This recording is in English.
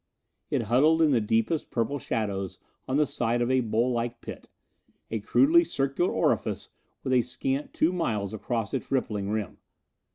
It huddled in the deepest purple shadows on the side of a bowl like pit, a crudely circular orifice with a scant two miles across its rippling rim.